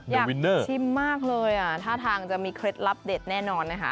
อยากชิมมากเลยอ่ะท่าทางจะมีเคล็ดลับเด็ดแน่นอนนะคะ